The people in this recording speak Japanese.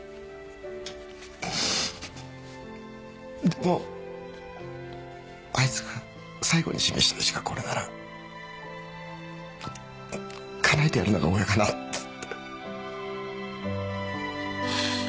でもあいつが最後に示した意思がこれならかなえてやるのが親かなって。